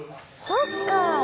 そっか。